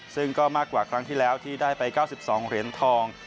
ซึ่งก็มากกว่าครั้งที่แล้วที่ได้ไป๙๒เหรียญทอง